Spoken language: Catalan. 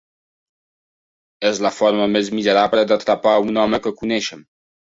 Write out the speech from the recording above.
És la forma més miserable d'atrapar a un home que coneixem.